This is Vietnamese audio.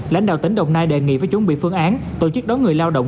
lãnh đạo tỉnh đồng nai đề nghị với chuẩn bị phương án tổ chức đón người lao động